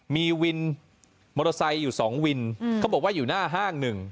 มีวินมอเตอร์ไซค์อยู่๒วินเขาบอกว่าอยู่หน้าห้างหนึ่ง